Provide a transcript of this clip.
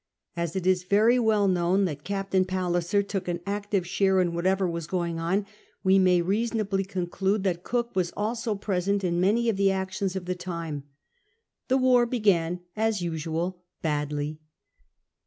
As it is very well known that Captain Palliser took an active share in whatever was going, we may reasonably conclude that Cook was also present in many of the actions of the time. The war began, as usual, badly.